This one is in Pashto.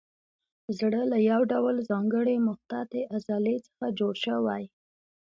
زړه له یو ډول ځانګړې مخططې عضلې څخه جوړ شوی.